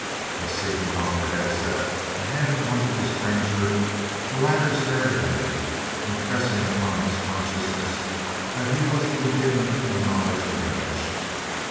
As Seaton donned a headset and handed one to the stranger, the latter stared at him, impressing upon his consciousness that he was to be given a knowledge of English.